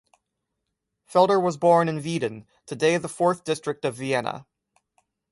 Felder was born in Wieden, today the fourth district of Vienna.